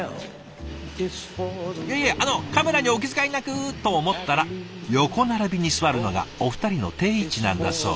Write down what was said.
いやいやあのカメラにお気遣いなくと思ったら横並びに座るのがお二人の定位置なんだそう。